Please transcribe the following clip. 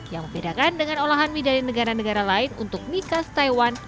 yang membedakan dengan olahan mie dari negara negara lain untuk mie khas taiwan